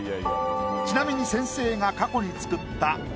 ちなみに先生が過去に作った。